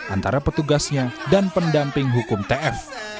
antara petugasnya dan pendamping hukum tf